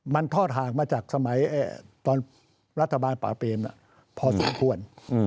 มันทอดห่างมาจากสมัยตอนรัฐบาลป่าเปรมพอสมควร